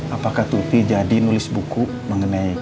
apakah tuti jadi nulis buku mengenai